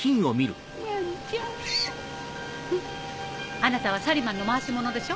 あなたはサリマンの回し者でしょ。